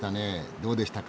どうでしたか？